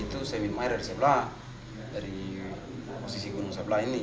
itu semin air dari sebelah dari posisi gunung sebelah ini